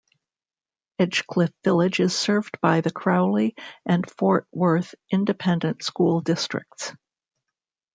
Edgecliff Village is served by the Crowley and Fort Worth Independent School Districts.